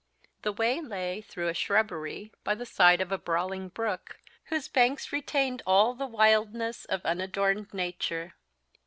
The way lay through a shrubbery, by the side of a brawling brook, whose banks retained all the wildness of unadorned nature.